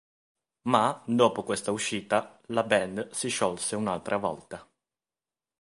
Ma, dopo questa uscita, la band si sciolse un'altra volta.